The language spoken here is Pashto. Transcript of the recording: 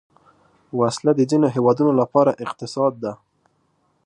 وسله د ځینو هیوادونو لپاره اقتصاد ده